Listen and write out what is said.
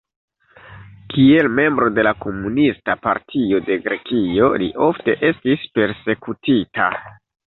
Kiel membro de la Komunista Partio de Grekio li ofte estis persekutita.